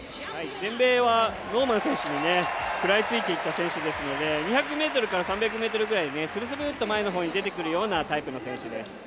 全米はノーマン選手に食らいついていった選手ですので２００ｍから３００ｍぐらいするするっと前の方に出てくるようなタイプの選手です。